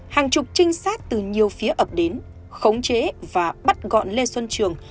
hàng chục trinh sát từ nhiều phía ập đến khống chế và bắt gọn lê xuân trường